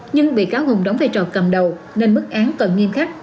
nhưng bị cáo hùng đóng về trò cầm đầu nên mức án